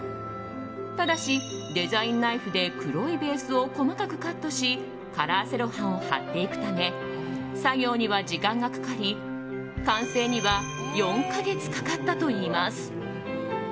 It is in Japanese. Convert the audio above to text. ただし、デザインナイフで黒いベースを細かくカットしカラーセロハンを貼っていくため作業には時間がかかり完成には４か月かかったといいます。